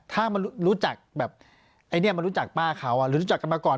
ถ้ามันรู้จักแบบไอ้เนี่ยมันรู้จักป้าเขาหรือรู้จักกันมาก่อน